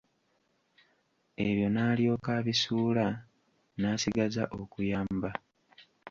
Ebyo n'alyoka abisuula, n'asigaza okuyamba.